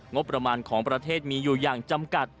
งบประมาณของประเทศมีอยู่อย่างจำกัด